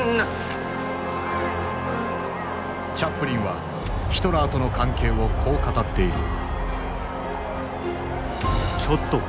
チャップリンはヒトラーとの関係をこう語っている。